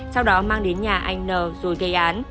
sau đó mang đến nhà anh n rồi gây án